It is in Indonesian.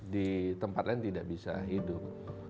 di tempat lain tidak bisa hidup